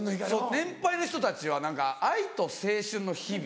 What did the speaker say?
年配の人たちは何か愛と青春の日々。